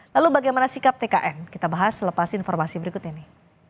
lalu bagaimana sikap tkn kita bahas selepas informasi berikut ini